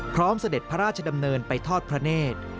เสด็จพระราชดำเนินไปทอดพระเนธ